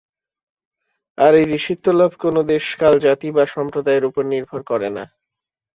আর এই ঋষিত্বলাভ কোন দেশ কাল জাতি বা সম্প্রদায়ের উপর নির্ভর করে না।